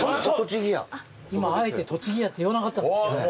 今あえてとちぎやって言わなかったんですけども。